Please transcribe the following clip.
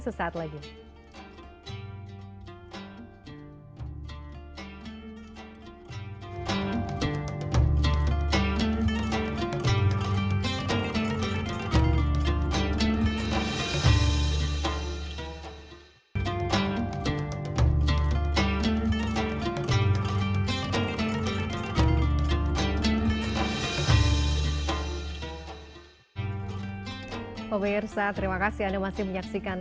masih ada pertanyaan